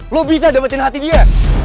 lo bisa dapetin hati dia